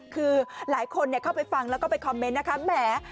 คือหลายคนเข้าไปฟังแล้วก็ไปคอมเมนต์นะคะแหม